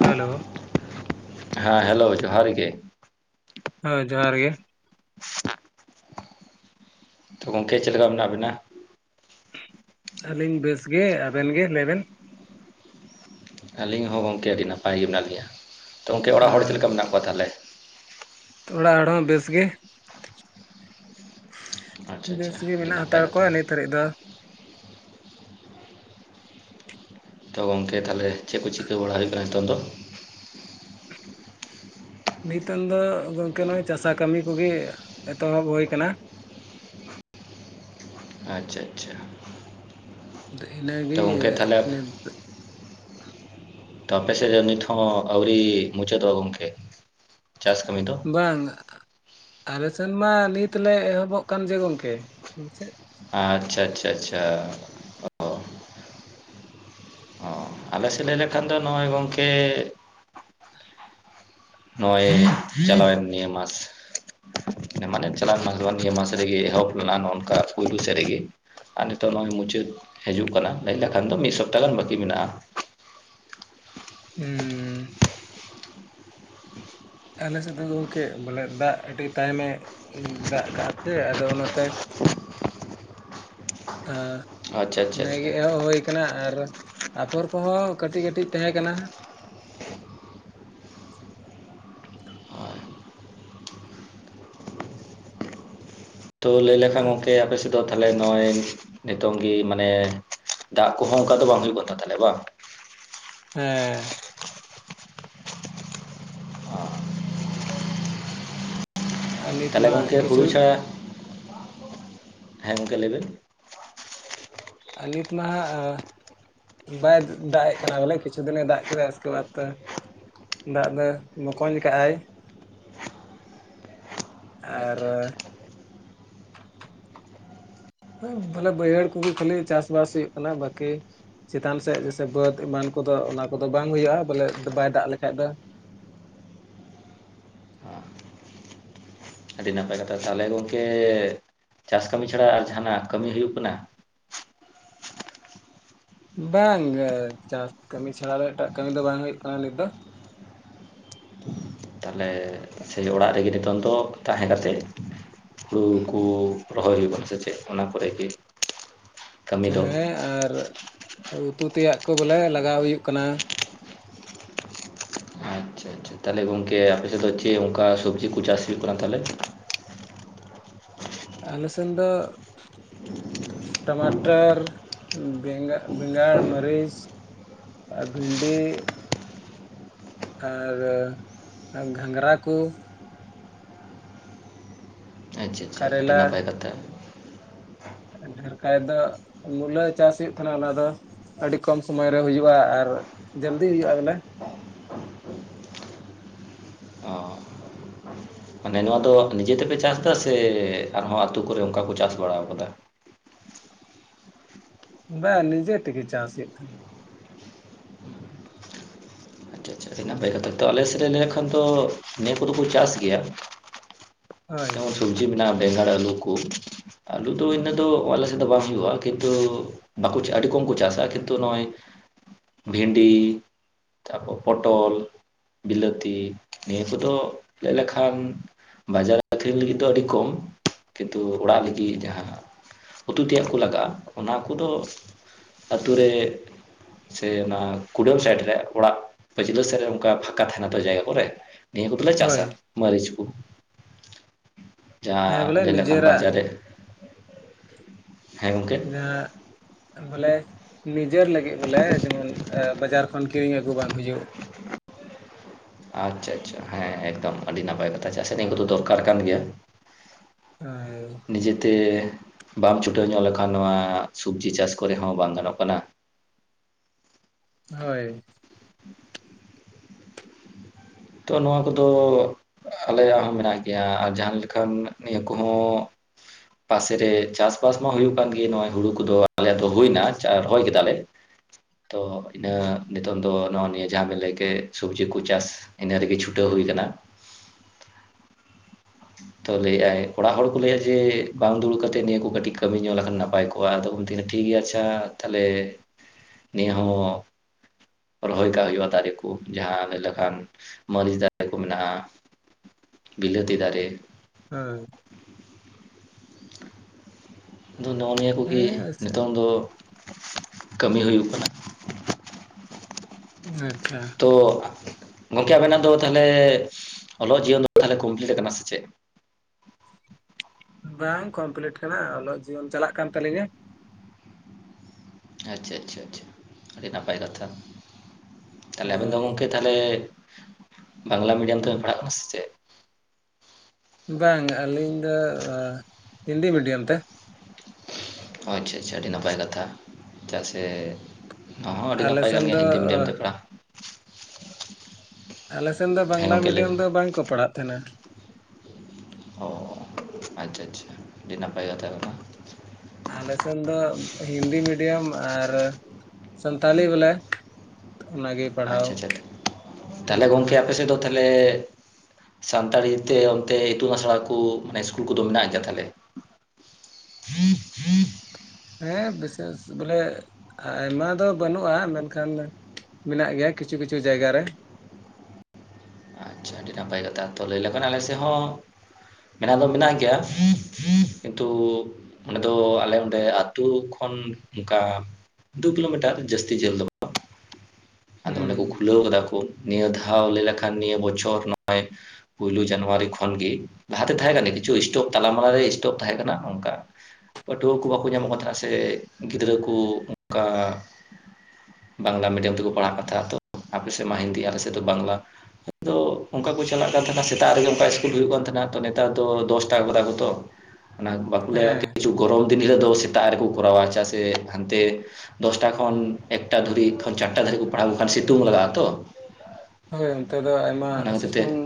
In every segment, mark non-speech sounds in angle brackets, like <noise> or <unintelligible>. Hello. ᱦᱮᱸ hello ᱡᱚᱦᱟᱨ ᱜᱮ ᱾ ᱦᱮᱸ ᱡᱚᱦᱟᱨ ᱜᱮ ᱾ ᱛᱚ ᱜᱚᱝᱠᱮ ᱪᱮᱫ ᱞᱮᱠᱟ ᱢᱮᱱᱟᱜ ᱵᱤᱱᱟ? ᱟᱹᱞᱤᱧ ᱵᱮᱥ ᱜᱮ ᱾ ᱟᱵᱮᱱ ᱜᱮ ᱞᱟᱹᱭ ᱵᱮᱱ? ᱟᱹᱞᱤᱧ ᱦᱚᱸ ᱜᱚᱝᱠᱮ ᱟᱹᱰᱤ ᱱᱟᱯᱟᱭ ᱜᱮ ᱢᱮᱱᱟᱜ ᱞᱤᱧᱟ ᱾ ᱛᱚ ᱜᱚᱢᱠᱮ ᱚᱲᱟᱜ ᱦᱚᱲ ᱪᱮᱫ ᱞᱮᱠᱟ ᱢᱮᱱᱟᱜ ᱠᱚᱣᱟ ᱛᱟᱦᱚᱞᱮ? ᱚᱲᱟᱜ ᱦᱚᱲ ᱦᱚᱸ ᱵᱮᱥ ᱜᱮ ᱟᱪᱪᱷᱟ ᱾ ᱟᱪᱪᱷᱟ ᱵᱮᱥ ᱜᱮ ᱟᱹᱰᱤ ᱢᱮᱱᱟᱜ ᱱᱟᱯᱟᱭ ᱦᱟᱛᱟᱲ ᱠᱟᱛᱷᱟ ᱠᱚᱣᱟ ᱱᱤᱛ ᱦᱟᱹᱨᱤᱡ ᱫᱚ ᱾ ᱛᱚ ᱜᱚᱝᱠᱮ ᱛᱟᱦᱞᱮ ᱪᱮᱫ ᱠᱚ ᱪᱤᱠᱟᱹ ᱵᱟᱲᱟ ᱦᱩᱭᱩᱜ ᱠᱟᱱᱟ ᱱᱤᱛᱚᱜ ᱫᱚ? ᱱᱤᱛᱚᱝ ᱫᱚ ᱜᱚᱝᱠᱮ ᱱᱚᱜ-ᱚᱭ ᱪᱟᱥᱟ ᱠᱟᱹᱢᱤ ᱠᱚᱜᱮ ᱮᱛᱚᱦᱚᱵ ᱦᱩᱭ ᱠᱟᱱᱟ ᱾ ᱟᱪᱪᱷᱟ ᱟᱪᱪᱷᱟ ᱾ ᱤᱱᱟᱹ ᱜᱮ ᱱᱤᱛ ᱛᱚ ᱟᱯᱮ ᱥᱮᱫ ᱨᱮ ᱱᱤᱛ ᱦᱚᱸ ᱟᱹᱣᱨᱤ ᱢᱩᱪᱟᱹᱫᱚᱜᱼᱟ ᱜᱚᱝᱠᱮ ᱪᱟᱥ ᱠᱟᱹᱢᱤ ᱫᱚ? ᱵᱟᱝ ᱟᱞᱮ ᱥᱮᱱ ᱢᱟ ᱱᱤᱛ ᱞᱮ ᱮᱦᱚᱵᱚᱜ ᱠᱟᱱ ᱡᱮ ᱜᱚᱝᱠᱮ ᱦᱮᱸᱪᱮᱫ ᱾ ᱟᱪᱪᱷᱟ ᱟᱪᱪᱷᱟ ᱟᱪᱪᱷᱟ ᱾ ᱚ ᱟᱞᱮ ᱥᱮᱫ ᱞᱟᱹᱭ ᱞᱮᱠᱷᱟᱱ ᱫᱚ ᱱᱚᱜᱼᱚᱭ ᱜᱚᱝᱠᱮ ᱱᱚᱜ-ᱚᱭ ᱪᱟᱞᱟᱣᱮᱱ ᱱᱤᱭᱟᱹ ᱢᱟᱥ ᱾ ᱢᱟᱱᱮ ᱪᱟᱞᱟᱣ ᱢᱟᱥ ᱫᱚ ᱵᱟᱝ ᱱᱤᱭᱟᱹ ᱢᱟᱥ ᱨᱮᱜᱮ ᱮᱦᱚᱸᱵ ᱞᱮᱱᱟ ᱱᱚ ᱱᱚᱱᱠᱟ ᱯᱩᱭᱞᱩ ᱥᱮᱜ ᱨᱮᱜᱮ ᱾ ᱟᱨ ᱱᱤᱛᱚᱜ ᱱᱚᱜᱼᱚᱭ ᱢᱩᱪᱟᱹᱫ ᱦᱤᱡᱩᱜ ᱠᱟᱱᱟ ᱞᱟᱹᱭ ᱞᱮᱠᱷᱟᱱ ᱫᱚ ᱢᱤᱫ ᱥᱚᱯᱛᱟᱦᱟ ᱜᱟᱱ ᱵᱟᱹᱠᱤ ᱢᱮᱱᱟᱜᱼᱟ ᱾ ᱦᱩᱸ ᱾ ᱟᱞᱮ ᱥᱮᱫ ᱜᱚᱢᱠᱮ ᱵᱚᱞᱮ ᱫᱟᱜ ᱟᱹᱰᱤ ᱛᱟᱭᱚᱢ ᱮ ᱫᱟᱜ ᱠᱟᱜ ᱛᱮ ᱟᱫᱚ ᱚᱱᱟ ᱛᱮ ᱟᱸ ᱟᱪᱪᱷᱟ ᱟᱪᱪᱷᱟ ᱱᱮ ᱟᱪᱪᱷᱟ ᱜᱮ ᱮᱦᱚᱵ ᱦᱳᱭ ᱠᱟᱱᱟ ᱟᱨ ᱟᱯᱷᱚᱨ ᱠᱚᱦᱚᱸ ᱠᱟᱹᱴᱤᱡ ᱠᱟᱹᱴᱤᱡ ᱛᱟᱦᱮᱸ ᱠᱟᱱᱟ ᱾ ᱛᱚ ᱞᱟᱹᱭ ᱞᱮᱠᱷᱟᱱ ᱜᱚᱝᱠᱮ ᱟᱯᱮ ᱥᱮᱫ ᱫᱚ ᱛᱟᱦᱞᱮ ᱱᱚᱜᱼᱚᱭ ᱱᱤᱛᱚᱝ ᱜᱮ ᱢᱟᱱᱮ ᱫᱟᱜ ᱠᱚᱦᱚᱸ ᱚᱱᱠᱟ ᱫᱚ ᱵᱟᱝ ᱦᱩᱭᱩᱜ ᱠᱟᱱ ᱛᱟᱦᱚᱞᱮ ᱵᱟᱝ? ᱦᱮᱸ ᱾ ᱟᱨ ᱱᱤᱛ ᱛᱟᱦᱚᱞᱮ ᱢᱟ ᱜᱚᱝᱠᱮ ᱠᱤᱪᱷᱩ ᱦᱩᱲᱩ ᱪᱷᱟ, ᱦᱮᱸ ᱜᱚᱝᱠᱮ ᱞᱟᱹᱭ ᱵᱤᱱ ᱺ <unintelligible> ᱟ ᱱᱤᱛ ᱢᱟ ᱦᱟᱸᱜ ᱵᱟᱭ ᱫᱟᱜ ᱮᱜ ᱠᱟᱱᱟ ᱵᱚᱞᱮ ᱠᱤᱪᱷᱩ ᱫᱤᱱᱮ ᱫᱟᱜ ᱠᱮᱫᱟ ᱩᱥᱠᱮ ᱵᱟᱫᱽ ᱛᱚ ᱫᱟᱜ ᱫᱚ ᱢᱚᱠᱚᱧ ᱠᱟᱜ-ᱟᱭ ᱾ ᱟᱨ ᱟᱪᱪᱷᱟ ᱟᱪᱪᱷᱟ ᱦᱚᱸ ᱵᱚᱞᱮ ᱵᱟᱹᱭᱦᱟᱹᱲ ᱠᱚᱜᱮ ᱠᱷᱟᱹᱞᱤ ᱪᱟᱥ ᱵᱟᱥ ᱦᱩᱭᱩᱜ ᱠᱟᱱᱟ ᱵᱟᱹᱠᱤ ᱪᱮᱛᱟᱱ ᱥᱮᱫ ᱡᱮᱥᱮ ᱵᱟᱹᱫ ᱮᱢᱟᱱ ᱠᱚᱫᱚ ᱚᱱᱟ ᱠᱚᱫᱚ ᱵᱟᱝ ᱦᱩᱭᱩᱜᱼᱟ ᱵᱚᱞᱮ ᱵᱟᱭ ᱫᱟᱜ ᱞᱮᱠᱷᱟᱡ ᱫᱚ ᱾ ᱟᱹᱰᱤ ᱱᱟᱯᱟᱭ ᱠᱟᱛᱷᱟ, ᱛᱟᱦᱚᱞᱮ ᱜᱚᱝᱠᱮ ᱪᱟᱥ ᱠᱟᱹᱢᱤ ᱪᱷᱟᱲᱟ ᱟᱨ ᱡᱟᱦᱟᱱᱟᱜ ᱠᱟᱹᱢᱤ ᱦᱩᱭᱩᱜ ᱠᱟᱱᱟ? ᱵᱟᱝ ᱜᱮ ᱪᱟᱥ ᱠᱟᱹᱢᱤ ᱪᱷᱟᱲᱟ ᱫᱚ ᱮᱴᱟᱜ ᱠᱟᱹᱢᱤ ᱫᱚ ᱵᱟᱝ ᱦᱩᱭᱩᱜ ᱠᱟᱱᱟ ᱱᱤᱛ ᱫᱚ ᱾ ᱛᱟᱦᱚᱞᱮ ᱥᱮ ᱚᱲᱟᱜ ᱨᱮᱜᱮ ᱱᱤᱛᱚᱝ ᱫᱚ ᱛᱟᱦᱮᱸ ᱠᱟ ᱠᱟᱛᱮᱫ ᱦᱩᱲᱩ ᱠᱚ ᱨᱚᱦᱚᱭ ᱦᱩᱭᱩᱜ ᱠᱟᱱᱟ ᱥᱮᱪᱮᱫ ᱚᱱᱟ ᱠᱚᱨᱮ ᱜᱮ? ᱠᱟᱹᱢᱤ ᱫᱚ ᱦᱮᱸ ᱟᱨ ᱩᱛᱩ ᱛᱮᱭᱟᱜ ᱠᱚ ᱵᱚᱞᱮ ᱞᱟᱜᱟᱣ ᱦᱩᱭᱩᱜ ᱠᱟᱱᱟ ᱾ ᱟᱪᱪᱷᱟ ᱛᱟᱦᱚᱞᱮ ᱜᱚᱝᱠᱮ ᱟᱯᱮ ᱥᱮᱫ ᱫᱚ ᱪᱮᱫ ᱚᱱᱠᱟ ᱥᱚᱵᱽᱡᱤ ᱠᱚ ᱪᱟᱥ ᱦᱩᱭᱩᱜ ᱠᱟᱱᱟ ᱛᱟᱦᱚᱞᱮ? ᱟᱞᱮ ᱥᱮᱱ ᱫᱚ ᱴᱟᱢᱟᱴᱚᱨ, ᱵᱮᱸᱜᱟ ᱵᱮᱸᱜᱟᱲ, ᱢᱟᱹᱨᱤᱪ ᱟᱨ ᱵᱷᱤᱱᱰᱤ ᱟᱨ ᱜᱷᱟᱸᱜᱨᱟ ᱠᱚ ᱾ ᱟᱪᱪᱷᱟ ᱟᱪᱪᱷᱟ ᱟᱹᱰᱤ ᱠᱟᱨᱮᱞᱟ ᱱᱟᱯᱟᱭ ᱠᱟᱛᱷᱟ ᱾ ᱟᱨᱠᱷᱟᱭ ᱫᱚ ᱢᱩᱞᱟᱹ ᱪᱟᱥ ᱦᱩᱭᱩᱜ ᱛᱟᱦᱮᱱᱟ ᱚᱱᱟ ᱫᱚ ᱾ ᱟᱹᱰᱤ ᱠᱚᱢ ᱥᱚᱢᱚᱭ ᱨᱮ ᱦᱩᱭᱩᱜᱼᱟ ᱟᱨ ᱡᱚᱞᱫᱤ ᱦᱩᱭᱩᱜᱼᱟ ᱵᱚᱞᱮ ᱚ ᱢᱟᱱᱮ ᱱᱚᱣᱟ ᱫᱚ ᱱᱤᱡᱮ ᱛᱮᱯᱮ ᱪᱟᱥ ᱫᱟ ᱥᱮ ᱟᱨᱦᱚᱸ ᱟᱛᱳ ᱠᱚᱨᱮ ᱚᱱᱠᱟ ᱠᱚ ᱪᱟᱥ ᱵᱟᱲᱟᱣ ᱠᱟᱫᱟ ᱵ ᱚᱚᱱᱤᱡᱮ ᱛᱮᱜᱮ ᱪᱟᱥ ᱦᱩᱭᱩᱜ ᱠᱟᱱᱟ ᱟᱪᱪᱷᱟ ᱛᱚ ᱱᱟᱯᱟᱭ ᱠᱟᱛᱷᱟ ᱛᱚ ᱟᱞᱮ ᱥᱮᱫ ᱨᱮ ᱞᱟ. ᱭ ᱞᱮᱱᱠᱷᱟᱱ ᱛᱚ ᱱᱚᱣᱟ ᱠᱟᱫᱚ ᱠᱚ ᱪᱟᱥ ᱜᱮᱭᱟ ᱦᱳᱭ ᱡᱮᱢᱚᱱ ᱥᱚᱵᱽᱡᱤ ᱢᱮᱱᱟᱜᱼᱟ ᱵᱮᱸᱜᱟᱲ ᱟᱹᱞᱩ ᱠᱚ ᱟᱞᱩ ᱫᱚ ᱤᱱᱟᱹ ᱫᱚ ᱟᱞ ᱥᱮ ᱫᱚ ᱵᱟᱝ ᱦᱩᱭᱩᱜᱼᱟ ᱠᱤᱱᱛᱩ ᱵᱟᱠᱚ ᱪᱟ ᱟᱹᱰᱤ ᱠᱚᱢ ᱠᱚ ᱪᱟᱥᱟ ᱠᱤᱱᱛᱩ ᱱᱚᱜᱼᱚᱭ ᱵᱷᱮᱱᱰᱤ ᱛᱟᱯᱚᱨ ᱯᱚᱴᱚᱞ ᱵᱤᱞᱟᱹᱛᱤ ᱱᱤᱭᱟᱹ ᱠᱚᱫᱚ ᱞᱮ ᱞᱮᱠᱷᱟᱱ ᱵᱟᱡᱟᱨ ᱟ. ᱠᱷᱤᱨᱤᱧ ᱞᱟᱹᱜᱤᱫ ᱫᱚ ᱟᱹᱰᱤ ᱠᱚᱢ ᱠᱤᱱᱛᱩ ᱚᱲᱟᱜ ᱞᱟᱹᱜᱤᱫ ᱡᱟᱦᱟᱸ ᱩᱛᱩ ᱛᱮᱭᱟᱜ ᱠᱚ ᱞᱟᱜᱟᱜᱼᱟ ᱚᱱᱟ ᱠᱚᱫᱚ ᱟᱛᱳ ᱨᱮ ᱥᱮ ᱚᱱᱟ ᱠᱩᱰᱟᱹᱢ ᱥᱟᱭᱤᱰ ᱨᱮ ᱚᱲᱟᱜ ᱯᱟᱹᱪᱞᱟᱹ ᱥᱮᱫ ᱨᱮ ᱚᱱᱠᱟ ᱯᱷᱟᱸᱠᱟ ᱛᱟᱦᱮᱱᱟ ᱛᱚ ᱡᱟᱭᱜᱟ ᱠᱚᱨᱮ ᱱᱤᱭᱟᱹ ᱠᱚᱫᱚᱞᱮ ᱪᱟᱥᱟ ᱦᱳᱭ ᱢᱟᱹᱨᱤᱪ ᱠᱚ ᱦᱮᱸ ᱵᱚᱞᱮ ᱡᱟᱦᱟᱸ ᱞᱟᱹᱭ ᱞᱮᱠᱷᱟᱱ ᱱᱤᱡᱮᱨᱟᱜ ᱵᱟᱡᱟᱨ ᱨᱮ ᱦᱮᱸ ᱜᱚᱝᱠᱮ ᱤᱧᱟᱜ ᱛᱟᱦᱚᱞᱮ ᱱᱤᱡᱮᱨ ᱞᱟᱹᱜᱤᱫ ᱵᱚᱞᱮ ᱡᱮᱢᱚᱱ ᱵᱟᱡᱟᱨ ᱠᱷᱚᱱ ᱠᱤᱨᱤᱧ ᱟᱹᱜᱩ ᱵᱟᱝ ᱦᱩᱭᱩᱜ ᱟᱪᱪᱷᱟ ᱟᱪᱪᱷᱟ ᱦᱮᱸ ᱮᱠᱫᱚᱢ ᱟᱹᱰᱤ ᱱᱟᱯᱟᱭ ᱠᱟᱛᱷᱟ ᱪᱮᱫᱟᱜ ᱥᱮ ᱱᱤᱭᱟᱹ ᱠᱚᱫᱚ ᱫᱚᱨᱠᱟᱨ ᱠᱟᱱ ᱜᱮᱭᱟ ᱦᱳᱭ ᱱᱤᱡᱮᱛᱮ ᱵᱟᱢ ᱪᱷᱩᱴᱟᱹᱣ ᱧᱚᱜ ᱞᱮᱠᱷᱟᱱ ᱱᱚᱣᱟ ᱥᱚᱵᱽᱡᱤ ᱪᱟᱥ ᱠᱚᱨᱮ ᱦᱚᱸ ᱵᱟᱝ ᱜᱟᱱᱚᱜ ᱠᱟᱱᱟ ᱦᱳᱭ ᱛᱚ ᱱᱚᱣᱟ ᱠᱚᱫᱚ ᱟᱞᱮᱭᱟᱜ ᱦᱚᱸ ᱢᱮᱱᱟᱜ ᱜᱮᱭᱟ ᱟᱨ ᱡᱟᱦᱟᱸ ᱞᱮᱠᱟᱱ ᱱᱤᱭᱟᱹ ᱠᱚᱦᱚᱸ ᱯᱟᱥᱮᱨᱮ ᱪᱟᱥᱵᱟᱥ ᱢᱟ ᱦᱩᱭᱩᱜ ᱠᱟᱱ ᱜᱮ ᱱᱚᱜ ᱦᱩᱲᱩ ᱠᱚᱫᱚ ᱟᱞᱮ ᱫᱚ ᱦᱩᱭ ᱱᱟ ᱨᱚᱦᱚᱭ ᱠᱮᱫᱟᱞᱮ ᱛᱚ ᱤᱱᱟᱹ ᱱᱤᱛᱚᱜ ᱫᱚ ᱱᱚᱜᱼᱚ ᱱᱤᱭᱟᱹ ᱡᱟᱦᱟᱸ ᱵᱤᱱ ᱞᱟᱹᱭ ᱠᱮᱫ ᱥᱚᱵᱡᱤ ᱠᱚ ᱪᱟᱥ ᱤᱱᱟᱹ ᱨᱮᱜᱮ ᱪᱷᱩᱴᱟᱹᱣ ᱦᱩᱭᱠᱟᱱᱟ ᱛᱚ ᱞᱟᱹᱭᱮᱫ ᱟᱭ ᱚᱲᱟᱜ ᱦᱚᱲ ᱠᱚ ᱞᱟᱹᱭᱟ ᱡᱮ ᱵᱟᱝ ᱫᱩᱲᱩᱵ ᱠᱟᱛᱮᱜ ᱱᱤᱭᱟᱹ ᱠᱚ ᱠᱟᱹᱴᱤᱡ ᱠᱟᱹᱢᱤ ᱧᱚᱜ ᱞᱮᱠᱷᱟᱱ ᱱᱟᱯᱟᱭ ᱠᱚᱜ ᱠᱚᱣᱟ ᱟᱫᱚ ᱠᱚ ᱴᱷᱤᱠ ᱜᱮᱭᱟ ᱟᱪᱪᱷᱟ ᱛᱟᱦᱞᱮ ᱱᱤᱭᱟᱹ ᱦᱚᱸ ᱨᱚᱦᱚᱭ ᱠᱟᱜ ᱦᱩᱭᱩᱜᱼᱟ ᱫᱟᱨᱮ ᱠᱚ ᱡᱟᱦᱟᱸ ᱞᱟᱹᱭ ᱞᱮᱠᱷᱟᱱ ᱢᱟᱹᱨᱤᱪ ᱫᱟᱨᱮ ᱠᱚ ᱢᱮᱱᱟᱜᱼᱟ ᱵᱤᱞᱟ. ᱛᱤ ᱫᱟᱨᱮ ᱦᱚᱭ ᱟᱫᱚ ᱱᱚᱜᱼᱚ ᱱᱤᱭᱟᱹ ᱠᱚᱜᱮ ᱦᱮᱸ ᱱᱤᱛᱚᱝ ᱫᱚ ᱠᱟᱹᱢᱤ ᱦᱩᱭᱩᱜ ᱠᱟᱱᱟ ᱟᱪᱪᱷᱟ ᱛᱚ ᱜᱚᱝᱠᱮ ᱟᱵᱮᱱᱟᱜ ᱫᱚ ᱛᱟᱦᱚᱞᱮ ᱚᱞᱚᱜ ᱡᱤᱭᱚᱱ ᱫᱚ ᱛᱟᱦᱚᱞᱮ ᱠᱚᱢᱯᱞᱤᱴ ᱠᱟᱱᱟ ᱥᱮ ᱪᱮᱫ ᱵᱟᱝ ᱠᱚᱢᱯᱞᱤᱴ ᱠᱟᱱᱟ ᱚᱞᱚᱜ ᱡᱤᱭᱚᱱ ᱪᱟᱞᱟᱜ ᱠᱟᱱ ᱛᱟᱹᱞᱤᱧᱟ ᱟᱪᱪᱷᱟ ᱟᱪᱪᱷᱟ ᱟᱹᱰᱤ ᱱᱟᱯᱟᱭ ᱠᱟᱛᱷᱟ ᱛᱟᱦᱞᱮ ᱟᱵᱮᱱ ᱫᱚ ᱦᱳᱭ ᱜᱚᱝᱠᱮ ᱛᱟᱦᱞᱮ ᱵᱟᱝᱞᱟ ᱢᱤᱰᱤᱭᱟᱢ ᱛᱮᱵᱮᱱ ᱯᱟᱲᱦᱟᱜ ᱠᱟᱱᱟ ᱥᱮ ᱪᱮᱫ ᱵᱟᱝ ᱟᱹᱞᱤᱧ ᱫᱚ ᱦᱤᱱᱫᱤ ᱢᱤᱰᱤᱭᱟᱢ ᱛᱮ ᱚ ᱟᱪᱪᱷᱟ ᱟᱪᱪᱷᱟ ᱟᱹᱰᱤ ᱱᱟᱯᱟᱭ ᱠᱟᱛᱷᱟ ᱪᱮᱫᱟᱜ ᱥᱮ ᱱᱚᱣᱟ ᱦᱚᱸ ᱟᱹᱰᱤ ᱟᱞᱮ ᱱᱟᱯᱟᱭ ᱠᱟᱱ ᱥᱮᱱ ᱫᱚ ᱜᱮᱭᱟ ᱦᱤᱱᱫᱤ ᱢᱤᱰᱤᱭᱟᱢ ᱛᱮ ᱯᱟᱲᱦᱟᱜ ᱟᱞᱮᱥᱮᱱ ᱫᱚ ᱦᱮᱸ ᱵᱟᱝᱞᱟ ᱜᱚᱝᱠᱮ ᱞᱟᱹᱭ ᱢᱤᱰᱤᱭᱟᱢ ᱵᱮᱱ ᱫᱚ ᱵᱟᱝᱠᱚ ᱯᱟᱲᱦᱟᱜ ᱛᱟᱦᱮᱱᱟ ᱚ ᱟᱪᱪᱷᱟ ᱟᱪᱪᱷᱟ ᱟᱹᱰᱤ ᱱᱟᱯᱟᱭ ᱠᱟᱛᱷᱟ ᱠᱟᱱᱟ ᱟᱞᱮ ᱥᱮᱱ ᱫᱚ ᱦᱤᱱᱫᱤ ᱢᱤᱰᱤᱭᱟᱢ ᱟᱨ ᱥᱟᱱᱛᱟᱞᱤ ᱵᱚᱞᱮ ᱚᱱᱟᱜᱮ ᱯᱟᱲᱦᱟᱣ ᱟᱪᱪᱷᱟ ᱟᱪᱪᱷᱟ ᱛᱟᱦᱞᱮ ᱦᱩᱭᱩᱜ ᱜᱚᱢᱠᱮ ᱠᱟᱱᱟ ᱟᱯᱮ ᱥᱮᱫ ᱫᱚ ᱛᱟᱦᱞᱮ ᱥᱟᱱᱛᱟᱲᱤ ᱛᱮ ᱚᱱᱛᱮ ᱤᱛᱩᱱ ᱟᱥᱲᱟ ᱠᱚ ᱤᱥᱠᱩᱞ ᱠᱚᱫᱚ ᱢᱮᱱᱟᱜ ᱜᱮᱭᱟ ᱛᱟᱦᱞᱮ <inaudible> ᱦᱮᱸ ᱵᱤᱥᱮᱥ ᱵᱚᱞᱮ ᱟᱭᱢᱟ ᱫᱚ ᱵᱟᱹᱱᱩᱜᱼᱟ ᱢᱮᱱᱠᱷᱟᱱ ᱢᱮᱱᱟᱜ ᱜᱮᱭᱟ ᱠᱤᱪᱷᱩ ᱠᱤᱪᱷᱩ ᱡᱟᱭᱜᱟ ᱨᱮ ᱟᱪᱪᱷᱟ ᱟᱹᱰᱤ ᱱᱟᱯᱟᱭ ᱠᱟᱛᱷᱟ ᱛᱚ ᱞᱟᱹᱭ ᱞᱮᱠᱷᱟᱱ ᱟᱞᱮᱥᱮᱜ ᱦᱚᱸ ᱢᱮᱱᱟᱜ ᱫᱚ ᱢᱮᱱᱟᱜ ᱜᱮᱭᱟ ᱠᱤᱱᱛᱩ ᱚᱸᱰᱮ ᱫᱚ ᱟᱞᱮ ᱚᱸᱰᱮ ᱟᱹᱛᱩ ᱠᱷᱚᱱ ᱚᱱᱠᱟ ᱫᱩ ᱠᱤᱞᱳᱢᱤᱴᱟᱨ ᱡᱟᱹᱥᱛᱤ ᱡᱷᱟᱹᱞ ᱫᱚ ᱵᱟᱝ ᱟᱫᱚ ᱚᱸᱰᱮ ᱠᱚ ᱦᱩᱸ ᱠᱷᱩᱞᱟᱹᱣ ᱠᱟᱫᱟ ᱠᱚ ᱱᱤᱭᱟᱹ ᱫᱷᱟᱣ ᱞᱮ ᱞᱮᱠᱷᱟᱱ ᱱᱤᱭᱟᱹ ᱵᱚᱪᱷᱚᱨ ᱱᱚᱜ-ᱚᱭ ᱯᱳᱭᱞᱳ ᱡᱟᱱᱩᱣᱟᱨᱤ ᱠᱷᱚᱱᱜᱮ ᱞᱟᱦᱟ ᱛᱮ ᱛᱟᱦᱮᱸ ᱠᱟᱱᱟ ᱠᱤᱪᱷᱩ ᱥᱴᱚᱯ ᱛᱟᱞᱟ ᱢᱟᱞᱟ ᱨᱮ ᱥᱴᱚᱯ ᱛᱟᱦᱮᱸ ᱠᱟᱱᱟ ᱚᱝᱠᱟ ᱯᱟᱹᱴᱷᱩᱣᱟᱹ ᱠᱚ ᱵᱟᱠᱚ ᱧᱟᱢᱚᱜ ᱠᱟᱱ ᱛᱟᱦᱮᱸ ᱱᱟᱥᱮ ᱜᱤᱫᱽᱨᱟᱹ ᱠᱩ ᱚᱝᱠᱟ ᱵᱟᱝᱞᱟ ᱢᱤᱰᱤᱭᱟᱢ ᱛᱮᱠᱚ ᱯᱟᱲᱦᱟᱜ ᱠᱟᱛᱷᱟ ᱛᱚ ᱟᱯᱮ ᱥᱮᱜ ᱢᱟ ᱦᱤᱱᱫᱤ ᱟᱞᱮ ᱥᱮᱫ ᱫᱚ ᱵᱟᱝᱞᱟ ᱟᱫᱚ ᱚᱝᱠᱟ ᱠᱚ ᱪᱟᱞᱟᱜ ᱠᱟᱱ ᱛᱟᱦᱮᱱᱟ ᱥᱮᱛᱟᱜ ᱨᱮᱜᱮ ᱚᱝᱠᱟ ᱤᱥᱠᱩᱞ ᱦᱩᱭᱩᱜ ᱠᱟᱱ ᱛᱟᱦᱮᱱᱟ ᱛᱚ ᱱᱮᱛᱟᱨ ᱫᱚ ᱫᱚᱥᱴᱟ ᱜᱚᱫᱟ ᱠᱚᱛᱚ ᱚᱱᱟ ᱵᱟᱠᱚ ᱞᱟᱹᱭᱟ ᱦᱮᱸ ᱠᱤᱪᱷᱩ ᱜᱚᱨᱚᱵᱚᱢ ᱫᱤᱱ ᱦᱤᱞᱳᱜ ᱫᱚ ᱥᱮᱛᱟᱜ ᱨᱮᱠᱚ ᱠᱚᱨᱟᱣᱟ ᱪᱟᱜ ᱥᱮ ᱦᱟᱱᱛᱮ ᱫᱚᱥᱴᱟ ᱠᱷᱚᱱ ᱮᱠᱴᱟ ᱫᱷᱟᱨᱤᱜ ᱠᱷᱚᱱ ᱪᱟᱴᱴᱟ ᱫᱷᱟᱨᱤᱜ ᱠᱚ ᱯᱟᱲᱟᱣ ᱠᱚᱠᱷᱟᱱ ᱥᱤᱛᱩᱝ ᱞᱟᱜᱟᱜ ᱟᱛᱚ ᱦᱳᱭ ᱚᱱᱛᱮ ᱫᱚ ᱟᱭᱢᱟ ᱥᱤᱛᱩᱝ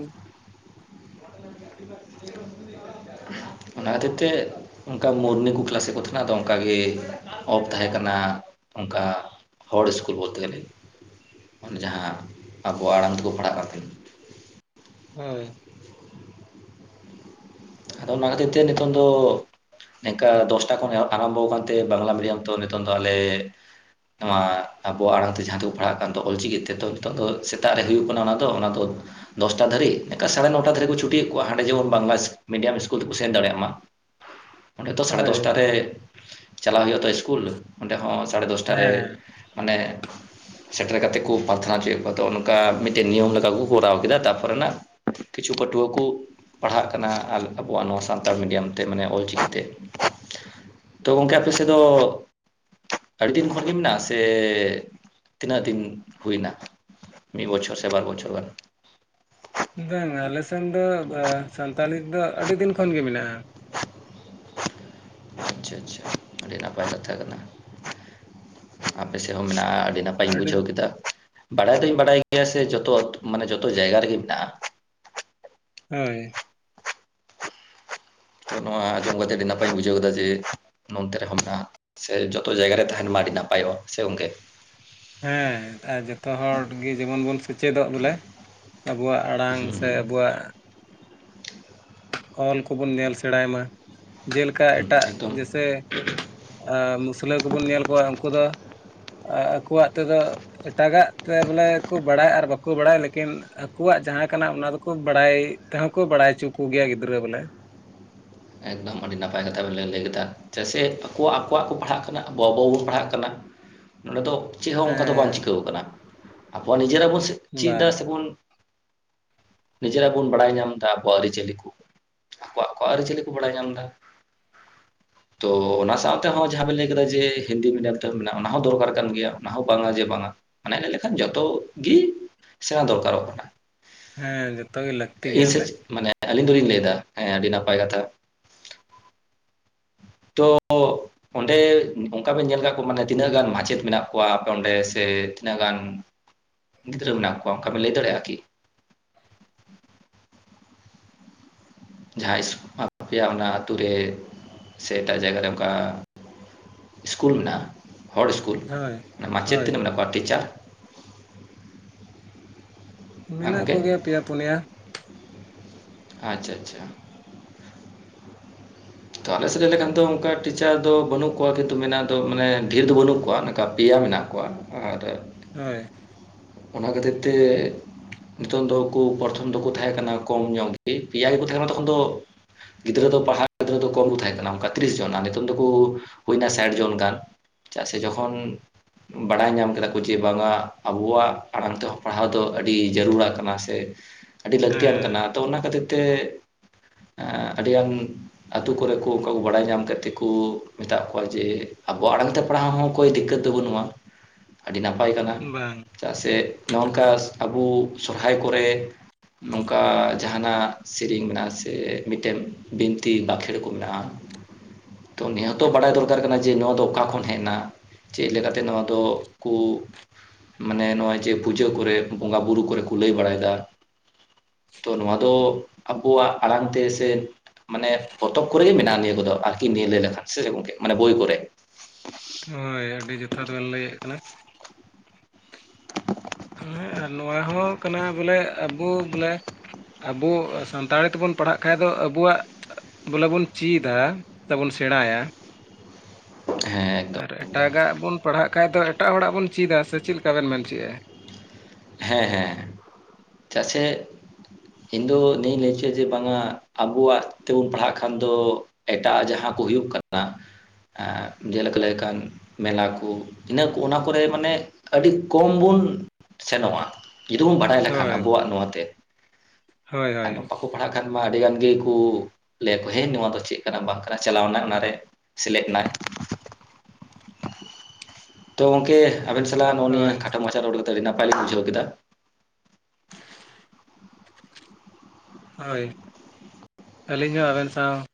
ᱚᱱᱟ ᱠᱷᱟᱹᱛᱤᱨ ᱛᱮ ᱚᱝᱠᱟ ᱢᱚᱨᱱᱤᱝ ᱠᱚ ᱠᱞᱟᱥᱮᱜ ᱠᱚ ᱛᱟᱦᱮᱸᱱᱟ ᱟᱫᱚ ᱚᱝᱠᱟᱜᱮ ᱚᱯᱷ ᱛᱟᱦᱮᱸ ᱠᱟᱱᱟ ᱚᱝᱠᱟ ᱦᱚᱲ ᱤᱥᱠᱩᱞ ᱵᱚᱞᱛᱮ ᱜᱮᱞᱮ ᱚᱱᱮ ᱡᱟᱦᱟᱸ ᱟᱵᱚᱣᱟᱜ ᱟᱲᱟᱝ ᱛᱮᱠᱚ ᱯᱟᱲᱦᱟᱜ ᱠᱟᱱ ᱛᱟᱦᱮᱱ ᱦᱳᱭ ᱟᱫᱚ ᱚᱱᱟ ᱠᱷᱟᱹᱛᱤᱨ ᱛᱮ ᱱᱤᱛᱳᱝ ᱫᱚ ᱱᱤᱝᱠᱟ ᱫᱚᱥᱴᱟ ᱠᱷᱚᱱ ᱮᱦᱚᱵ ᱟᱨᱟᱢᱵᱚ ᱠᱟᱱ ᱛᱮ ᱵᱟᱝᱞᱟ ᱢᱤᱰᱤᱭᱟᱢ ᱛᱚ ᱱᱤᱛᱚᱝ ᱫᱚ ᱟᱞᱮ ᱱᱚᱣᱟ ᱟᱵᱚᱣᱟᱜ ᱟᱲᱟᱝ ᱛᱮ ᱡᱟᱦᱟᱸ ᱛᱮᱠᱚ ᱯᱟᱲᱦᱟᱜ ᱠᱟᱱ ᱫᱚ ᱚᱞ ᱪᱤᱠᱤ ᱛᱮ ᱛᱚ ᱱᱤᱛᱚᱜ ᱫᱚ ᱥᱮᱛᱟᱜ ᱨᱮ ᱦᱩᱭᱩᱜ ᱠᱟᱱᱟ ᱚᱱᱟ ᱫᱚ ᱚᱱᱟ ᱫᱚ ᱫᱚᱥᱴᱟ ᱫᱷᱟᱹᱨᱤᱜ <unintelligible> ᱥᱟᱲᱮ ᱱᱚᱴᱟ ᱫᱷᱟᱹᱨᱤᱡ ᱠᱚ ᱪᱷᱩᱴᱤᱭᱮᱜ ᱠᱚᱣᱟ ᱦᱟᱸᱰᱮ ᱡᱮᱢᱚᱱ ᱵᱟᱝᱞᱟ ᱢᱤᱰᱤᱭᱟᱢ ᱤᱥᱠᱩᱞ ᱛᱮᱠᱚ ᱥᱮᱱ ᱫᱟᱲᱮᱭᱟᱜ ᱢᱟ ᱚᱸᱰᱮ ᱛᱚ ᱥᱟᱲᱮ ᱦᱳᱭ ᱫᱚᱥᱴᱟ ᱨᱮ ᱪᱟᱞᱟᱣ ᱦᱳᱭᱳᱜ ᱟᱛᱚ ᱤᱥᱠᱩᱞ ᱚᱸᱰᱮ ᱦᱚᱸ ᱥᱟᱲᱮ ᱫᱚᱥᱴᱟ ᱨᱮ ᱦᱮᱸ ᱢᱟᱱᱮ ᱥᱮᱴᱮᱨ ᱠᱟᱛᱮᱜ ᱠᱚ ᱯᱟᱨᱛᱷᱟᱱᱟ ᱦᱚᱪᱚᱭᱮᱜ ᱠᱚᱣᱟ ᱛᱚ ᱚᱱᱠᱟ ᱢᱤᱫᱴᱮᱱ ᱱᱤᱭᱚᱢ ᱞᱮᱠᱟ ᱠᱚ ᱠᱚᱨᱟᱣ ᱠᱮᱫᱟ ᱛᱟ ᱯᱚᱨᱮᱱᱟᱜ ᱠᱤᱪᱷᱩ ᱯᱟᱹᱴᱷᱩᱣᱟᱹ ᱠᱚ ᱯᱟᱲᱦᱟᱜ ᱠᱟᱱᱟ ᱟᱵᱚᱣᱟᱜ ᱱᱚᱣᱟ ᱥᱟᱱᱛᱟᱲ ᱢᱤᱰᱤᱭᱟᱢ ᱛᱮ ᱢᱟᱱᱮ ᱚᱞ ᱪᱤᱠᱤ ᱛᱮ ᱛᱚ ᱜᱚᱝᱠᱮ ᱟᱯᱮ ᱥᱮᱜ ᱫᱚ ᱟᱹᱰᱤ ᱫᱤᱱ ᱠᱷᱚᱱ ᱜᱮ ᱢᱮᱱᱟᱜᱼᱟ ᱥᱮ ᱛᱤᱱᱟᱹᱜ ᱫᱤᱱ ᱦᱩᱭ ᱱᱟ ᱢᱤᱫ ᱵᱚᱪᱷᱚᱨ ᱥᱮ ᱵᱟᱨ ᱵᱚᱪᱷᱚᱨ ᱜᱟᱱ ᱵᱟᱝ ᱟᱞᱮ ᱥᱮᱱ ᱫᱚ ᱥᱟᱱᱛᱟᱞᱤ ᱛᱮᱫᱚ ᱟᱹᱰᱤ ᱫᱤᱱ ᱠᱷᱚᱱ ᱜᱮ ᱢᱮᱱᱟᱜᱼᱟ ᱟᱪᱪᱷᱟ ᱟᱪᱪᱷᱟ ᱟᱹᱰᱤ ᱱᱟᱯᱟᱭ ᱠᱟᱛᱷᱟ ᱠᱟᱱᱟ ᱟᱯᱮ ᱥᱮᱜ ᱦᱚᱸ ᱢᱮᱱᱟᱜᱼᱟ ᱟᱹᱰᱤ ᱱᱟᱯᱟᱭᱤᱧ ᱵᱩᱡᱷᱟᱹᱣ ᱠᱮᱫᱟ ᱵᱟᱰᱟᱭ ᱫᱩᱧ ᱵᱟᱰᱟᱭ ᱜᱮᱭᱟ ᱥᱮ ᱡᱚᱛᱚ ᱢᱟᱱᱮ ᱡᱚᱛᱚ ᱡᱟᱭᱜᱟ ᱨᱮᱜᱮ ᱢᱮᱱᱟᱜᱼᱟ ᱦᱳᱭ ᱛᱚ ᱱᱚᱣᱟ ᱟᱸᱡᱚᱢ ᱠᱟᱛᱮ ᱟᱹᱰᱤ ᱱᱟᱯᱟᱭᱤᱧ ᱵᱩᱡᱷᱟᱹᱣ ᱠᱮᱫᱟ ᱡᱮ ᱱᱚᱱᱛᱮ ᱨᱮᱦᱚᱸ ᱢᱮᱱᱟᱜᱼᱟ ᱥᱮ ᱡᱚᱛᱚ ᱡᱟᱭᱜᱟ ᱨᱮ ᱛᱟᱦᱮᱸᱱ ᱢᱟ ᱟᱹᱰᱤ ᱱᱟᱯᱟᱭᱚᱜᱼᱟ ᱥᱮ ᱜᱚᱝᱠᱮ ᱦᱮᱸ ᱟᱨ ᱡᱚᱛᱚ ᱦᱚᱲ ᱜᱮ ᱡᱮᱢᱚᱱ ᱵᱚᱱ ᱥᱮᱪᱮᱫᱚᱜ ᱵᱚᱞᱮ ᱟᱵᱚᱣᱟᱜ ᱟᱲᱟᱝ ᱥᱮ ᱟᱵᱚᱣᱟᱜ ᱚᱞ ᱠᱚᱵᱩᱱ ᱧᱮᱞ ᱥᱮᱬᱟᱭ ᱢᱟ ᱡᱮᱞᱮᱠᱟ ᱦᱩᱸ ᱮᱴᱟᱜ ᱮᱠᱫᱚᱢ ᱡᱮᱭᱥᱮ ᱮᱸ ᱢᱩᱥᱞᱟᱹ ᱠᱚᱵᱚᱱ ᱧᱮᱞ ᱠᱚᱣᱟ ᱩᱱᱠᱩᱫᱚ ᱟᱠᱚᱣᱟᱜ ᱛᱮᱫᱚ ᱮᱴᱟᱜᱟᱜ ᱛᱮ ᱵᱚᱞᱮ ᱠᱚ ᱵᱟᱲᱟᱭ ᱟᱨ ᱵᱟᱠᱚ ᱵᱟᱲᱟᱭ ᱞᱮᱠᱤᱱ ᱟᱠᱚᱣᱟᱜ ᱡᱟᱦᱟᱸ ᱠᱟᱱᱟ ᱚᱱᱟ ᱫᱚᱠᱚ ᱵᱟᱲᱟᱭ ᱛᱮᱦᱚᱸ ᱠᱚ ᱵᱟᱲᱟᱭ ᱦᱚᱪᱚ ᱠᱩ ᱜᱮᱭᱟ ᱜᱤᱫᱽᱨᱟᱹ ᱵᱚᱞᱮ ᱮᱠᱫᱚᱢ ᱟᱹᱰᱤ ᱱᱟᱯᱟᱭ ᱠᱟᱛᱷᱟ ᱵᱮᱱ ᱞᱟᱹᱭ ᱠᱮᱫᱟ ᱪᱮᱥᱮ ᱟᱠᱚᱣᱟᱜ ᱟᱠᱚᱣᱟᱜ ᱠᱚ ᱯᱟᱲᱦᱟᱜ ᱠᱟᱱᱟ ᱟᱵᱚ ᱟᱵᱚᱣᱟᱜ ᱵᱚᱱ ᱯᱟᱲᱦᱟᱜ ᱠᱟᱱᱟ ᱱᱚᱸᱰᱮ ᱫᱚ ᱪᱮᱫ ᱦᱚᱸ ᱚᱱᱠᱟ ᱫᱚ ᱵᱟᱝ ᱦᱮᱸ ᱪᱤᱠᱟᱹᱣ ᱠᱟᱱᱟ, ᱟᱵᱚᱣᱟᱜ ᱱᱤᱡᱮᱨᱟᱜ ᱵᱚᱱ ᱪᱤᱫ ᱵᱟ ᱤᱫᱟ ᱥᱮ ᱵᱚᱱᱼᱼ ᱱᱤᱡᱮᱨᱟᱜ ᱵᱩᱱ ᱵᱟᱲᱟᱭ ᱧᱟᱢ ᱮᱫᱟ ᱟᱵᱚᱣᱟᱜ ᱟᱹᱨᱤᱪᱟᱹᱞᱤ ᱠᱚ, ᱟᱠᱚᱣᱟᱜ ᱟᱠᱚᱣᱟᱜ ᱟᱹᱨᱤᱪᱟᱹᱞᱤᱼᱼ ᱠᱚ ᱵᱟᱲᱟᱭ ᱧᱟᱢ ᱫᱟ ᱾ ᱛᱚ ᱚᱱᱟ ᱥᱟᱶᱛᱮ ᱦᱚᱸ ᱡᱟᱦᱟᱸ ᱵᱮᱱ ᱞᱟᱹᱭ ᱠᱮᱫᱟ ᱡᱮ ᱦᱤᱱᱫᱤ ᱢᱤᱰᱤᱭᱟᱢ ᱛᱮᱦᱚᱸ ᱢᱮᱱᱟᱜᱼᱟ ᱚᱱᱟ ᱦᱚᱸ ᱫᱚᱨᱠᱟᱨ ᱠᱟᱱ ᱜᱮᱭᱟ ᱚᱱᱟ ᱦᱚᱸ ᱵᱟᱝᱟ ᱡᱮ ᱵᱟᱝᱟ ᱾ ᱢᱟᱱᱮ ᱞᱟᱹᱭ ᱞᱮᱠᱷᱟᱱ ᱡᱚᱛᱚ ᱜᱤ ᱥᱮᱬᱟ ᱫᱚᱨᱠᱟᱨᱚᱜ ᱠᱟᱱᱟ ᱾ ᱦᱮᱸ ᱡᱚᱛᱚ ᱜᱮ ᱞᱟᱹᱠᱛᱤ ᱤᱧ ᱜᱮᱭᱟ ᱵᱚᱞᱮ ᱥᱮᱫ, ᱢᱟᱱᱮ ᱟᱹᱞᱤᱧ ᱫᱚᱞᱤᱧ ᱞᱟᱹᱭᱫᱟ ᱦᱮᱸ ᱟᱹᱰᱤ ᱱᱟᱯᱟᱭ ᱠᱟᱛᱷᱟ ᱾ ᱛᱚᱻ ᱚᱜᱼᱼ ᱚᱸᱰᱮ ᱚᱱᱠᱟ ᱵᱮᱱ ᱧᱮᱞ ᱟᱠᱟᱫ ᱠᱚᱣᱟ ᱢᱟᱱᱮ ᱛᱤᱱᱟᱹᱜ ᱜᱟᱱ ᱢᱟᱪᱮᱫ ᱢᱮᱱᱟᱜ ᱠᱚᱣᱟ ᱟᱯᱮ ᱚᱸᱰᱮ ᱥᱮ ᱛᱤᱱᱟᱹᱜ ᱜᱟᱱᱼᱼ ᱜᱤᱫᱽᱨᱟᱹ ᱢᱮᱱᱟᱜ ᱠᱚᱣᱟ ᱚᱱᱠᱟ ᱵᱤᱱ ᱞᱟᱹᱭ ᱫᱟᱲᱮᱭᱟᱜᱼᱟ ᱠᱤ? ᱡᱟᱦᱟᱸᱭᱥ ᱮᱢᱟ ᱯᱮᱭᱟ ᱚᱱᱟ ᱟᱹᱛᱩ ᱨᱮ ᱥᱮ ᱮᱴᱟᱜ ᱡᱟᱭᱜᱟ ᱨᱮ ᱚᱱᱠᱟᱼᱼ ᱤᱥᱠᱩᱞ ᱢᱮᱱᱟᱜᱼᱟ ᱦᱚᱲ ᱤᱥᱠᱩᱞ, ᱦᱳᱭ ᱢᱟᱪᱮᱫ ᱦᱳᱭ ᱛᱤᱱᱟᱹᱜ ᱢᱮᱱᱟᱜ ᱠᱚᱣᱟ ᱴᱤᱪᱟᱨ? ᱢᱮᱱᱟᱜ ᱜᱚᱢᱠᱮ ᱠᱚᱜᱮᱭᱟ ᱯᱮᱭᱟ ᱯᱚᱱᱭᱟ ᱾ ᱟᱪᱪᱷᱟ ᱟᱪᱪᱷᱟ ᱾ ᱛᱚ ᱟᱞᱮ ᱥᱮᱫ ᱞᱟᱹᱭ ᱞᱮᱠᱷᱟᱱ ᱫᱚ ᱚᱱᱠᱟ ᱴᱤᱪᱟᱨ ᱫᱚ ᱵᱟᱹᱱᱩᱜ ᱠᱚᱣᱟ ᱠᱤᱱᱛᱩ ᱢᱮᱱᱟᱜ ᱫᱚ ᱢᱟᱱᱮ ᱰᱷᱮᱨ ᱫᱚ ᱵᱟᱹᱱᱩᱜ ᱠᱚᱣᱟ ᱱᱚᱝᱠᱟ ᱯᱮᱭᱟ ᱢᱮᱱᱟᱜ ᱠᱚᱣᱟ ᱾ ᱟᱨᱼᱼ ᱦᱚᱭ ᱾ ᱚᱱᱟ ᱠᱷᱟᱹᱛᱤᱨ ᱛᱮ ᱱᱤᱛᱚᱜ ᱫᱚ ᱠᱩ ᱯᱟᱼᱼ ᱩᱱ ᱫᱚᱠᱚ ᱛᱟᱦᱮᱸ ᱠᱟᱱᱟ ᱠᱚᱢ ᱧᱚᱜ ᱜᱮ ᱯᱮᱭᱟ ᱜᱮᱠᱚ ᱛᱟᱦᱮᱸ ᱠᱟᱱᱟ ᱛᱚᱠᱷᱚᱱ ᱫᱚᱼᱼ ᱜᱤᱫᱽᱨᱟᱹ ᱫᱚ ᱯᱟᱲᱦᱟᱣ ᱜᱤᱫᱽᱨᱟᱹ ᱫᱚ ᱠᱚᱢ ᱠᱚ ᱛᱟᱦᱮᱸ ᱠᱟᱱᱟ ᱚᱱᱠᱟ ᱛᱤᱨᱤᱥ ᱡᱚᱱ ᱜᱟᱱ, ᱱᱤᱛᱚᱝ ᱫᱚᱠᱚ ᱦᱩᱭᱱᱟ ᱥᱟᱴ ᱡᱚᱱ ᱜᱟᱱ ᱾ ᱪᱮᱫᱟᱜ ᱥᱮ ᱡᱚᱠᱷᱚᱱ ᱵᱟᱰᱟᱭ ᱧᱟᱢ ᱠᱮᱫᱟ ᱠᱚ ᱡᱮ ᱵᱟᱝᱟ ᱟᱵᱚᱣᱟᱜᱼᱼ ᱟᱲᱟᱝ ᱛᱮᱦᱚᱸ ᱯᱟᱲᱦᱟᱣ ᱫᱚ ᱟᱹᱰᱤ ᱡᱟᱹᱨᱩᱲᱟᱜ ᱠᱟᱱᱟ ᱥᱮ, ᱟᱹᱰᱤ ᱞᱟᱹᱠᱛᱤᱭᱟᱱ ᱠᱟᱱᱟ ᱦᱮᱸ ᱾ ᱛᱚ ᱚᱱᱟ ᱠᱷᱟᱹᱛᱤᱨ ᱛᱮ ᱟᱹᱰᱤᱜᱟᱱᱼᱼ ᱟᱛᱩ ᱠᱚᱨᱮ ᱠᱚ ᱚᱱᱠᱟ ᱠᱚ ᱵᱟᱰᱟᱭ ᱧᱟᱢ ᱠᱮᱫ ᱛᱮᱠᱚ ᱢᱮᱛᱟᱜ ᱠᱚᱣᱟ ᱡᱮ ᱟᱵᱚᱣᱟᱜ ᱟᱲᱟᱝ ᱛᱮᱼᱼ ᱯᱟᱲᱦᱟᱣ ᱦᱚᱸ ᱠᱚᱭ ᱫᱤᱠᱠᱟᱹᱛ ᱫᱚ ᱵᱟᱹᱱᱩᱜᱼᱟ ᱟᱹᱰᱤ ᱱᱟᱯᱟᱭ ᱠᱟᱱᱟ ᱾ ᱵᱟᱝ ᱪᱮᱫᱟᱜ ᱥᱮ ᱱᱚᱜᱼᱚ ᱱᱚᱝᱠᱟ ᱟᱵᱚ ᱥᱚᱨᱦᱟᱭ ᱠᱚᱨᱮᱼᱼ ᱱᱚᱝᱠᱟ ᱡᱟᱦᱟᱸ ᱱᱟᱜ ᱥᱤᱨᱮᱧ ᱢᱮᱱᱟᱜᱼᱟ ᱥᱮ ᱢᱤᱫᱴᱮᱱ ᱵᱤᱱᱛᱤ ᱵᱟᱸᱠᱷᱮᱬ ᱠᱚ ᱢᱮᱱᱟᱜᱼᱟ ᱾ <unintelligible> ᱛᱚ ᱩᱱᱤ ᱦᱚᱸᱛᱚ ᱵᱟᱰᱟᱭ ᱫᱚᱨᱠᱟᱨ ᱠᱟᱱᱟ ᱡᱮ ᱱᱚᱣᱟ ᱫᱚ ᱚᱠᱟ ᱠᱷᱚᱱ ᱦᱮᱡ ᱮᱱᱟ ᱪᱮᱫ ᱞᱮᱠᱟᱛᱮ ᱱᱚᱣᱟᱫᱚ ᱠᱩᱼᱼ ᱢᱟᱱᱮ ᱱᱚᱜᱼᱚᱭ ᱡᱮ ᱯᱩᱡᱟᱹ ᱠᱚᱨᱮ, ᱵᱚᱸᱜᱟ ᱵᱩᱨᱩ ᱠᱚᱨᱮ ᱠᱚ ᱞᱟᱹᱭ ᱵᱟᱲᱟᱭ ᱮᱫᱟᱼᱼ ᱛᱚ ᱱᱚᱣᱟ ᱫᱚ ᱟᱵᱚᱣᱟᱜ ᱟᱲᱟᱝ ᱛᱮ ᱥᱮᱼᱼ ᱢᱟᱱᱮ ᱯᱚᱛᱚᱵ ᱠᱚᱨᱮ ᱜᱮ ᱢᱮᱱᱟᱜᱼᱟ ᱱᱤᱭᱟᱹ ᱠᱚᱫᱚ ᱟᱨᱠᱤ ᱱᱤᱭᱟᱹ ᱞᱟᱹᱭ ᱞᱮᱠᱷᱟᱱ ᱥᱮ ᱜᱚᱢᱠᱮ ᱢᱟᱱᱮ ᱵᱳᱭ ᱠᱚᱨᱮ ᱾ ᱦᱳᱭ ᱟᱹᱰᱤ ᱡᱚᱛᱷᱟᱛ ᱵᱮᱱ ᱞᱟᱹᱭᱮᱫ ᱠᱟᱱᱟ ᱾ ᱦᱮᱸ ᱟᱨ ᱱᱚᱣᱟ ᱦᱚᱸ ᱠᱟᱱᱟ ᱵᱚᱞᱮ ᱟᱵᱚ ᱵᱚᱞᱮᱼᱼ ᱟᱵᱚ ᱥᱟᱱᱛᱟᱲᱤ ᱛᱮᱵᱚᱱ ᱯᱟᱲᱦᱟᱜ ᱠᱷᱟᱡ ᱫᱚ ᱟᱵᱚᱣᱟᱜᱼᱼ ᱵᱚᱞᱮ ᱵᱚᱱ ᱪᱮᱫᱟ ᱥᱮ ᱵᱚᱱ ᱥᱮᱬᱟᱭᱟ ᱾ ᱦᱮᱸ ᱾ ᱟᱨ ᱮᱴᱟᱜᱟᱜ ᱵᱚᱱ ᱯᱟᱲᱦᱟᱜ ᱠᱷᱟᱱ ᱫᱚ ᱮᱴᱟᱜ ᱦᱚᱲᱟᱜ ᱵᱚᱱ ᱪᱤᱫᱟ ᱥᱮ ᱪᱮᱫ ᱞᱮᱠᱟ ᱵᱤᱱ ᱢᱮᱱᱚᱪᱚ ᱮᱫᱟ? ᱦᱮᱸᱼᱦᱮᱸ ᱪᱟᱜ ᱥᱮᱼᱼ ᱤᱧ ᱫᱚ ᱱᱤᱭᱟᱹᱧ ᱞᱟᱹᱭᱪᱚ ᱡᱮ ᱵᱟᱝᱟ ᱟᱵᱩᱣᱟᱜ ᱛᱮᱵᱚᱱ ᱯᱟᱲᱦᱟᱜ ᱠᱷᱟᱱ ᱫᱚᱼᱼ ᱮᱴᱟᱜ ᱟᱜ ᱡᱟᱦᱟᱸ ᱠᱚ ᱦᱩᱭᱩᱜ ᱠᱟᱱᱟ, ᱡᱮᱞᱮᱠᱟ ᱞᱟᱹᱭ ᱞᱮᱠᱟᱱᱼᱼ ᱢᱮᱞᱟ ᱠᱩ ᱤᱱᱟᱹᱜ ᱩᱱᱟ ᱠᱚᱨᱮ ᱢᱟᱱᱮ ᱟᱹᱰᱤ ᱠᱚᱢ ᱵᱩᱱᱼᱼ ᱥᱮᱱᱚᱜᱼᱟ ᱡᱩᱫᱤ ᱵᱩ ᱵᱟᱰᱟᱭ ᱞᱮᱠᱷᱟᱱ ᱦᱳᱭ ᱟᱵᱚᱣᱟᱜ ᱱᱚᱣᱟ ᱛᱮ ᱦᱳᱭ ᱾ ᱟᱨ ᱦᱳᱭ ᱵᱟᱠᱚᱼᱼ ᱯᱟᱲᱦᱟᱜ ᱠᱷᱟᱱ ᱢᱟ ᱟᱹᱰᱤ ᱜᱟᱱ ᱜᱤᱠᱩ ᱞᱟᱹᱭᱟ ᱠᱚ ᱦᱮᱭ ᱱᱚᱣᱟ ᱫᱚ ᱪᱮᱫ ᱠᱟᱱᱟ ᱵᱟᱝ ᱠᱟᱱᱟ ᱪᱟᱞᱟᱣᱱᱟ ᱚᱱᱟ ᱨᱮᱼᱼ ᱥᱮᱞᱮᱜ ᱮᱱᱟᱭ ᱾ ᱛᱚ ᱜᱚᱝᱠᱮᱼᱼ ᱟᱵᱤᱱ ᱥᱟᱞᱟᱜ ᱱᱚᱜᱼᱚ ᱱᱤᱭᱟᱹ ᱦᱳᱭ ᱠᱷᱟᱴᱚ ᱢᱟᱪᱷᱟ ᱨᱚᱲ ᱠᱟᱛᱮ ᱟᱹᱰᱤ ᱱᱟᱯᱟᱭ ᱞᱤᱝ ᱵᱩᱡᱷᱟᱹᱣ ᱠᱮᱫᱟ ᱾ ᱦᱳᱭ ᱟᱹᱞᱤᱧ ᱦᱚᱸ ᱟᱵᱮᱱ ᱥᱟᱶ